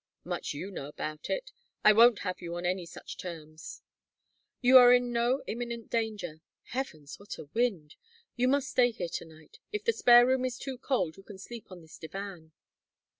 "Much you know about it. I won't have you on any such terms." "You are in no imminent danger. Heavens, what a wind! You must stay here to night. If the spare room is too cold you can sleep on this divan."